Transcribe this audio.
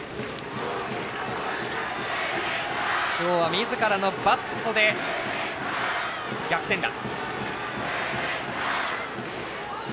今日はみずからのバットで逆転打。